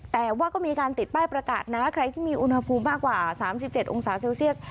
แต่ว่าก็มีการติดป้ายประกาศนะใครที่มีอุณหภูมิมากกว่า๓๗องศาเซลเซียส